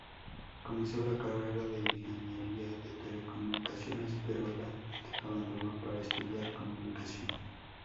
Comenzó la carrera de ingeniería de Telecomunicaciones, pero la abandonó para estudiar comunicación.